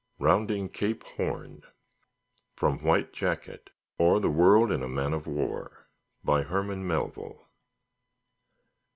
ROUNDING CAPE HORN (From White Jacket; or, The World in a Man of War.) By HERMAN MELVILLE.